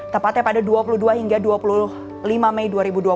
tepatnya pada dua puluh dua hingga dua puluh lima mei dua ribu dua puluh